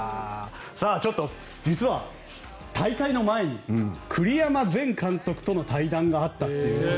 実は大会の前に栗山前監督との対談があったと。